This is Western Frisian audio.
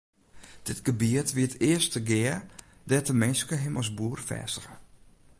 Dit gebiet wie it earste gea dêr't de minske him as boer fêstige.